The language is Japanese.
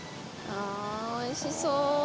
ああおいしそう！